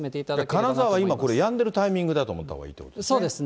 金沢は今、やんでるタイミングだと思ったほうがいいということですね。